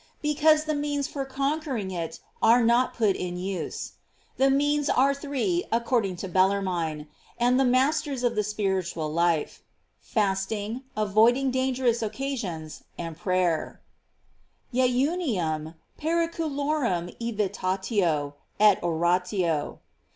Because the means for conquering it are not put in use. The means are three according to Bellarmine, and the mas ters of the spiritual life: Fasting, avoiding dangerous occasions, and prayer: "Jejuniun, periculorum evitatio, et oratio."